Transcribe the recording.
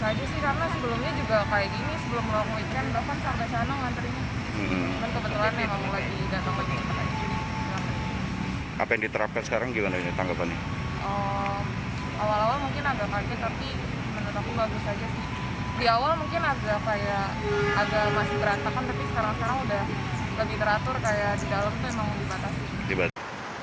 itu agak masih berantakan tapi sekarang sekarang udah lebih teratur kayak di dalam tuh emang dibatasi